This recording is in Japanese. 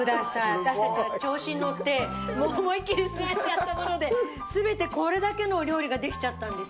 私たち調子にのってもう思いっきりスライサーやった事で全てこれだけのお料理ができちゃったんですよ。